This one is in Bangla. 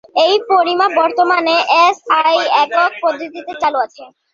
এই পরিমাপ বর্তমানে এসআই একক পদ্ধতিতে চালু আছে।